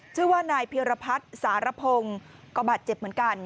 ชื่อว่านายเพียรพัฒน์สารพงศ์ก็บาดเจ็บเหมือนกัน